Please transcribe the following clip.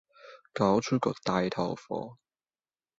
搞出個大頭佛